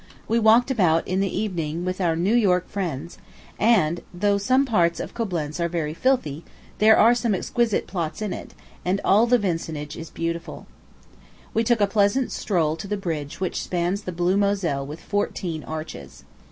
We walked about, in the evening, with our New York friends; and, though some parts of Coblentz are very filthy, there are some exquisite plots in it, and all the vicinage is beautiful. We took a pleasant stroll to the bridge which spans the blue Moselle with fourteen arches.